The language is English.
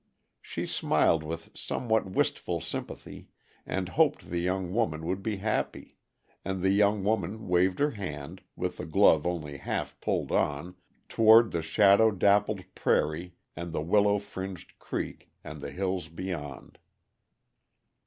She smiled with somewhat wistful sympathy, and hoped the young woman would be happy; and the young woman waved her hand, with the glove only half pulled on, toward the shadow dappled prairie and the willow fringed creek, and the hills beyond.